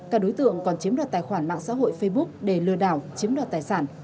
các đối tượng còn chiếm đoạt tài khoản mạng xã hội facebook để lừa đảo chiếm đoạt tài sản